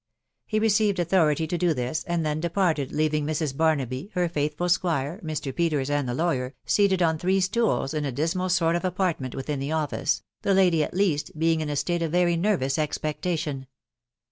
He received authority to do this, and then departed, leaving Mrs. Barnaby, her faithful squire* Mr. Peters, and the lawyer, seated on three stock in a dismal sort of apartment within the Office, the lady, at least, being hi ft state of very nervous expectation.